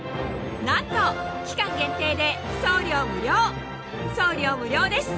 なんと期間限定で送料無料です！